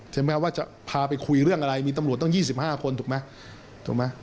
ใช่ไหมว่าจะพาไปคุยเรื่องอะไรมีตำรวจต้อง๒๕คนถูกไหมถูกไหม